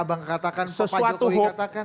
apa yang abang katakan pak jokowi katakan